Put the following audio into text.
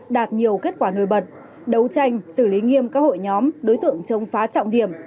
đạt nhiều kết quả nổi bật đấu tranh xử lý nghiêm các hội nhóm đối tượng chống phá trọng điểm